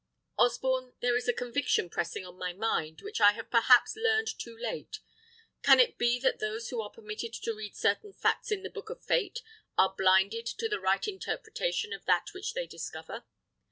Osborne, there is a conviction pressing on my mind, which I have perhaps learned too late. Can it be that those who are permitted to read certain facts in the book of fate are blinded to the right interpretation of that which they discover?